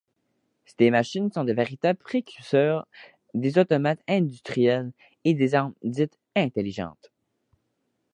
Ces machines sont de véritables précurseurs des automates industriels et des armes dites intelligentes.